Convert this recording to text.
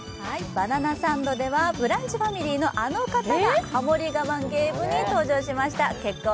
「バナナサンド」ではブランチファミリーのあの方が、ハモり我慢ゲームに登場しました。